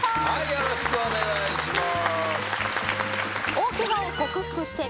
よろしくお願いします。